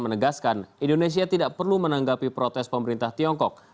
menegaskan indonesia tidak perlu menanggapi protes pemerintah tiongkok